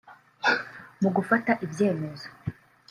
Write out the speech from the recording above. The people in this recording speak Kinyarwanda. mu gufata ibyemezo